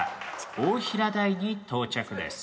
大平台に到着です。